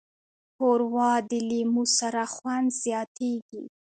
ښوروا د لیمو سره خوند زیاتیږي.